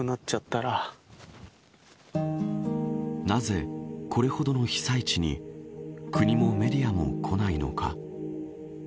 なぜ、これほどの被災地に国もメディアも来ないのか。